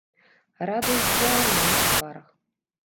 Радасць ззяла на іх тварах.